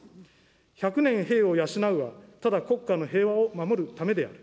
百年兵を養うはただ国家の平和を守るためである。